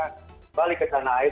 kembali ke tanah air